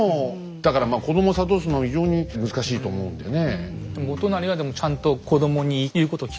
だからまあ子どもを諭すの非常に難しいと思うんでね。